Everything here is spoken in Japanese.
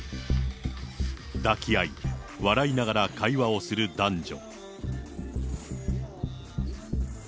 抱き合い、笑いながら会話をする男女。